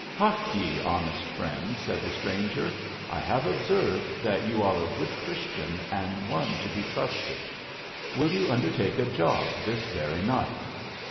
" Hark ye, honest friend," said the stranger, " I have observed that you are a good Christian, and one to be trusted ; will you undertake a job this very night